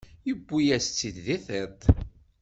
Yewwi-yas-tt-id di tiṭ.